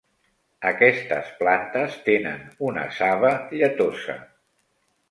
Aquestes plantes tenen una saba lletosa.